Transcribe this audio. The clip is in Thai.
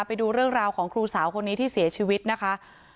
ไปดูเรื่องราวของครูสาวคนนี้ที่เสียชีวิตนะคะ